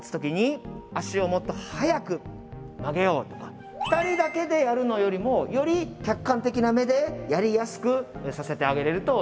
例えば２人だけでやるのよりもより客観的な目でやりやすくさせてあげれるといいと思います。